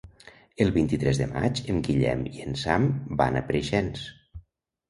El vint-i-tres de maig en Guillem i en Sam van a Preixens.